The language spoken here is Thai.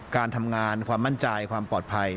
การทำงานความมั่นใจความปลอดภัย